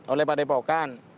oleh pak depokan